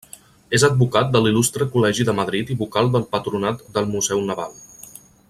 És advocat de l'Il·lustre Col·legi de Madrid i Vocal del Patronat del Museu Naval.